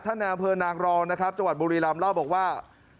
ในอำเภอนางรองนะครับจังหวัดบุรีรำเล่าบอกว่า